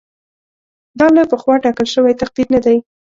دا له پخوا ټاکل شوی تقدیر نه دی.